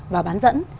và bán dẫn